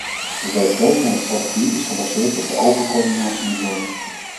De werkgelegenheidsstrategie is gebaseerd op de open coördinatiemethode.